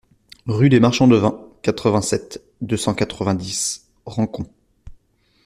Rue des Marchands de Vin, quatre-vingt-sept, deux cent quatre-vingt-dix Rancon